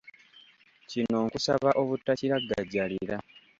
Kino nkusaba obutakiragajjalira.